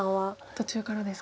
途中からですか。